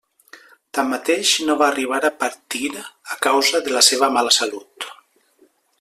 Tanmateix, no va arribar a partir, a causa de la seva mala salut.